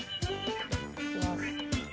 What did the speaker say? いきます。